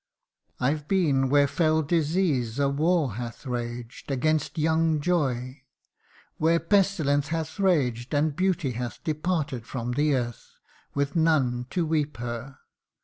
" I 've been where fell disease a war hath wa^ed & Against young joy, where pestilence hath raged, And beauty hath departed from the earth With none to weep her.